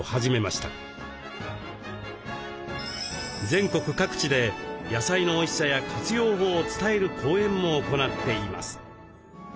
全国各地で野菜のおいしさや活用法を伝える講演も行っています。